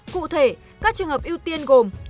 cụ thể các trường hợp ưu tiên gồm